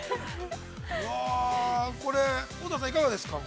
◆これ、乙葉さん、いかがですか。